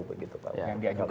yang diajukan ya